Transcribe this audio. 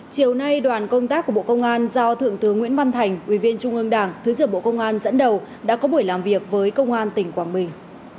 chiều nay đoàn công tác của bộ công an do thượng tướng nguyễn văn thành ủy viên trung ương đảng thứ trưởng bộ công an dẫn đầu đã có buổi làm việc với công an tỉnh quảng bình